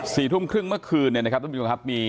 สี่ทุ่มครึ่งเมื่อคืนเนี้ยนะครับต้องพี่บุงครับมี